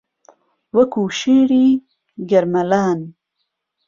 وهکوو شێری گەرمهلان